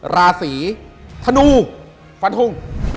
ราศีธนูฟันทง